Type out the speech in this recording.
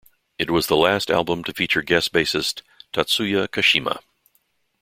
It was the last album to feature guest bassist, Tatsuya Kashima.